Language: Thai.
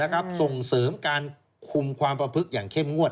นะครับส่งเสริมความประพลึกของคุมอย่างเข้มงวด